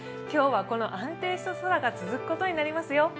今日は、この安定した空が続くことになりますよ。